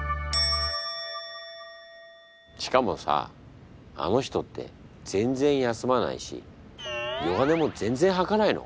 しかもさあの人って全然休まないし弱音も全然はかないの。